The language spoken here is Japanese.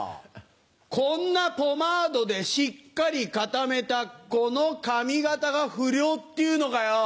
こんなポマードでしっかり固めたこの髪形が不良っていうのかよぉ。